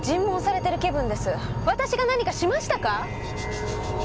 私が何かしましたか！？